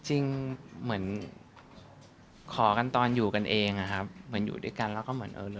จริงเหมือนขอกันตอนอยู่กันเองอะครับเหมือนอยู่ด้วยกันแล้วก็เหมือนเออ